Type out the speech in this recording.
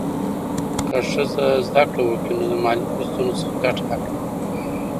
که ښځه زده کړه وکړي، نو د مالي فرصتونو څخه ګټه اخلي.